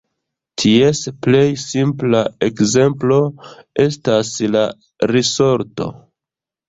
Ties plej simpla ekzemplo estas la risorto.